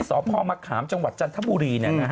สพมะขามจังหวัดจันทบุรี